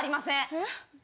えっ？